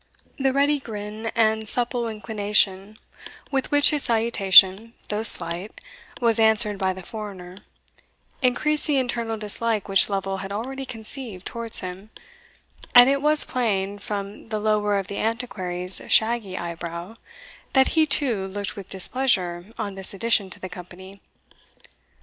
The ready grin and supple inclination with which his salutation, though slight, was answered by the foreigner, increased the internal dislike which Lovel had already conceived towards him; and it was plain, from the lower of the Antiquary's shaggy eye brow, that he too looked with displeasure on this addition to the company.